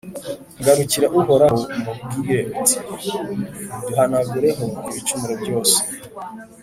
Garukira Uhoraho, umubwire uti«Duhanagureho ibicumuro byose